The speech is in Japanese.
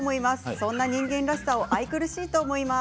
そんな人間らしさを愛くるしいと思います。